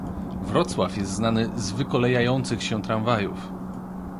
Wrocław jest znany z wykolejających się tramwajów.